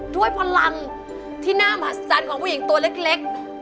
ด้วยพลังที่น่ามหัศจรรย์ของผู้หญิงตัวเล็ก